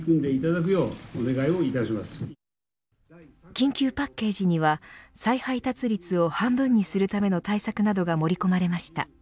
緊急パッケージには再配達率を半分にするための対策などが盛り込まれました。